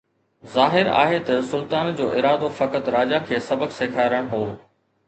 ظاهر آهي ته سلطان جو ارادو فقط راجا کي سبق سيکارڻ هو